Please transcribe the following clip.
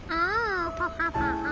アホハハハ。